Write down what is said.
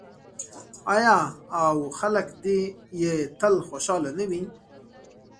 آیا او خلک دې یې تل خوشحاله نه وي؟